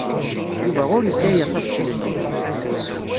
Yuba ur yesɛi aṭas n tlelli.